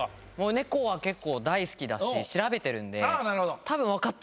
ネコは大好きだし調べてるんで。